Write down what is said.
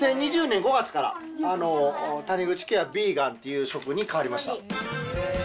２０２０年５月から、谷口家はビーガンという食に変わりました。